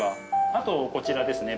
あとこちらですね